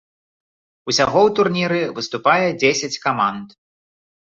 Усяго ў турніры выступае дзесяць каманд.